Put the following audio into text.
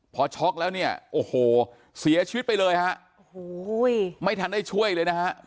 พอช็อกแล้วเนี่ยโอ้โหเสียชีวิตไปเลยฮะโอ้โหไม่ทันได้ช่วยเลยนะฮะ